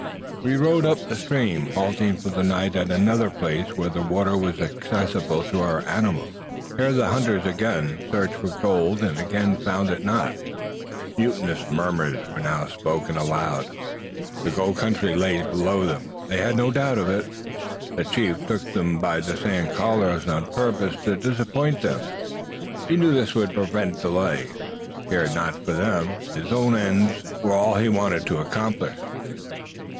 We rode up the stream, halting for the night at another place where the water was accessible to our animals. Here the hunters again searched for gold, and again found it not. Mutinous murmurs were now spoken aloud. "The gold country lay below them; they had no doubt of it. The chief took them by the San Carlos on purpose to disappoint them. He knew this would prevent delay. He cared not for them. His own ends were all he wanted to accomplish.